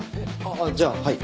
あっじゃあはい。